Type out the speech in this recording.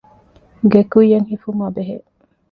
ގެ ކުއްޔަށް ހިފުމާބެހޭ